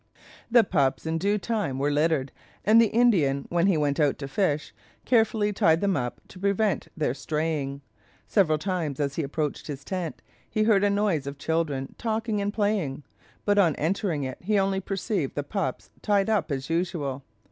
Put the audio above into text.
The pups in due time were littered, and the Indian, when he went out to fish, carefully tied them up to prevent their straying. Several times, as he approached his tent, he heard a noise of children talking and playing; but on entering it, he only perceived the pups tied up as usual.